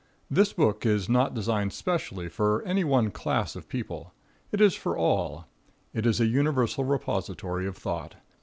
This book is not designed specially for any one class of people. It is for all. It is a universal repository of thought.